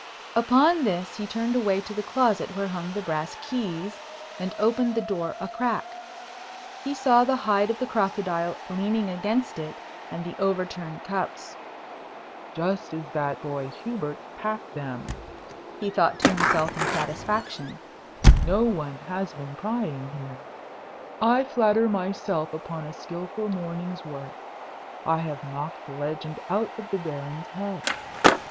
Upon this, he turned away to the closet where hung the brass keys, and opened the door a crack. He saw the hide of the crocodile leaning against it, and the overturned cups. "Just as that boy Hubert packed them," he thought to himself in satisfaction; "no one has been prying here. I flatter myself upon a skilful morning's work. I have knocked the legend out of the Baron's head.